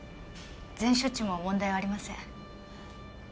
前処置も問題はありません。